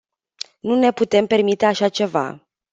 Nu ne putem permite așa ceva.